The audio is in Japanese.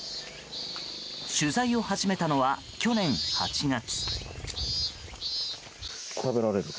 取材を始めたのは、去年８月。